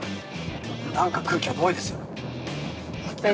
なんか空気重いですよね。